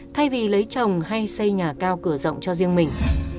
thay vì lấy chồng hay xây nhà cao cửa rộng cho riêng mình